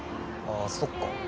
ああそっか。